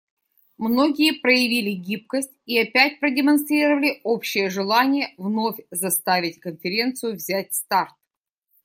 Многие проявили гибкость и опять продемонстрировали общее желание вновь заставить Конференцию взять старт.